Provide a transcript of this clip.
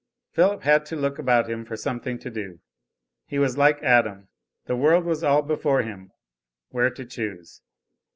Philip had to look about him for something to do; he was like Adam; the world was all before him whereto choose.